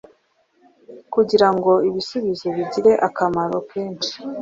Kugirango ibisubizo bigire akamaro kenshi